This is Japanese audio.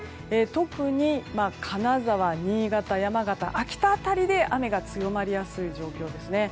特に金沢、新潟、山形、秋田辺りで雨が強まりやすい状況ですね。